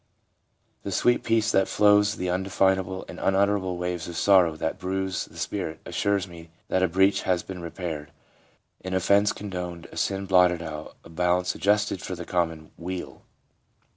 The sweet peace that follows the undefinable and un utterable waves of sorrow that bruise the spirit assures me that a breach has been repaired, an offence con doned, a sin blotted out, a balance adjusted for the common weal.